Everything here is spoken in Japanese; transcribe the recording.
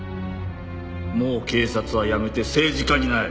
もう警察は辞めて政治家になれ。